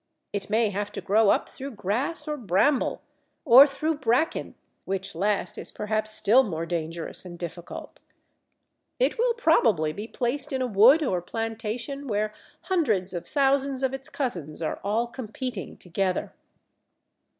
It may have to grow up through grass or bramble, or through bracken, which last is perhaps still more dangerous and difficult. It will probably be placed in a wood or plantation where hundreds of thousands of its cousins are all competing together.